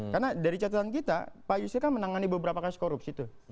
karena dari catatan kita pak yusril kan menangani beberapa kasus korupsi tuh